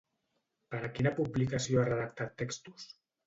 Per a quina publicació ha redactat textos?